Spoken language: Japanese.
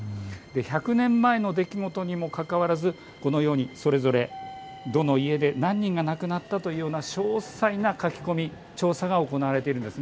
１００年前の出来事にもかかわらずこのようにそれぞれどの家で何人が亡くなったという詳細な書き込み、調査が行われているんです。